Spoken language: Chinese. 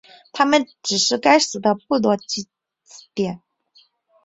它们只是该死的部落祭典。